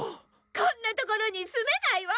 こんな所に住めないわ！